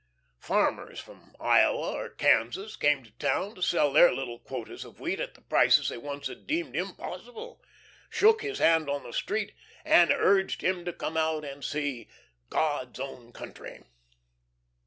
Farmers from Iowa or Kansas come to town to sell their little quotas of wheat at the prices they once had deemed impossible, shook his hand on the street, and urged him to come out and see "God's own country."